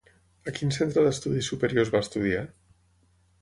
A quin centre d'estudis superiors va estudiar?